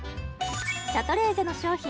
シャトレーゼの商品